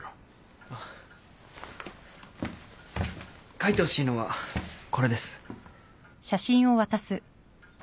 描いてほしいのはこれです。